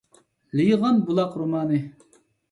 «لېيىغان بۇلاق» رومانى.